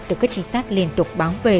từ các trinh sát liên tục báo về